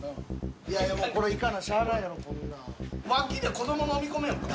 いやでもこれいかなしゃあないやろこんなん。